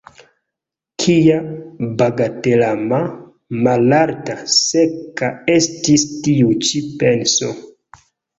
Kia bagatelama, malalta, seka estis tiu ĉi penso!